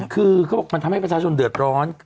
คือเขาบอกมันทำให้ประชาชนเดือดร้อน